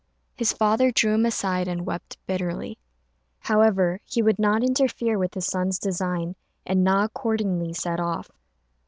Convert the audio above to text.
His father drew him aside and wept bitterly. However, he would not interfere with his son's design, and Na accordingly set off.